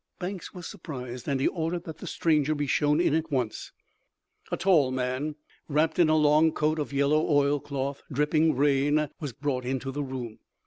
Banks was surprised, and he ordered that the stranger be shown in at once. A tall man, wrapped in a long coat of yellow oilcloth, dripping rain, was brought into the room.